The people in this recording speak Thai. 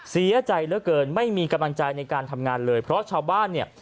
เสียใจเหลือเกินไม่มีกำลังใจในการทำงานเลยเพราะชาวบ้านเนี่ย